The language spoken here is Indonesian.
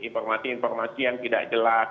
informasi informasi yang tidak jelas